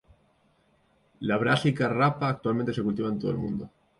La "Brassica rapa" actualmente se cultiva en todo el mundo.